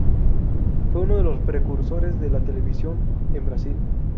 Fue uno de los precursores de la televisión en Brasil.